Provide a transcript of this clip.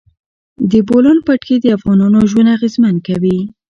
د بولان پټي د افغانانو ژوند اغېزمن کوي.